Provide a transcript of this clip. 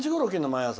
毎朝。